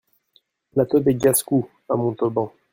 Plateau des Gascous à Montauban